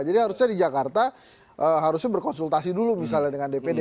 jadi harusnya di jakarta harusnya berkonsultasi dulu misalnya dengan dpd